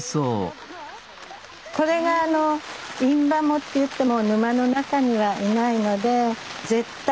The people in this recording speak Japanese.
これがあのインバモってゆってもう沼の中にはいないので絶対